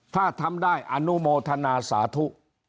ถ้าทำได้อนุโมทนาสาธุ